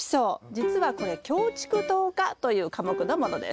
じつはこれキョウチクトウ科という科目のものです。